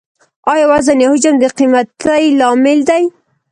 آیا وزن یا حجم د قیمتۍ لامل دی؟